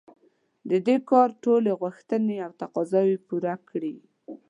د دې کار ټولې غوښتنې او تقاضاوې پوره کړي.